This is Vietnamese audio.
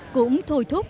cũng thôi thúc